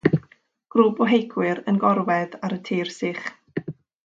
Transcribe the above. Grŵp o heicwyr yn gorwedd ar y tir sych.